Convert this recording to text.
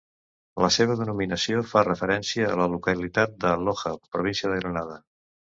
La seva denominació fa referència a la localitat de Loja, província de Granada.